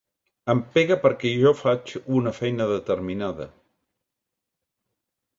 Em pega perquè jo faig una feina determinada.